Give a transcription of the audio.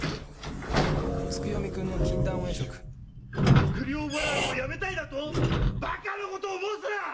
悪霊祓いをやめたいだと⁉バカなことを申すな！